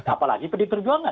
apalagi pdi perjuangan